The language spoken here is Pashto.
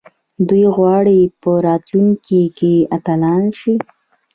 دوی غواړي په راتلونکي کې اتلان شي.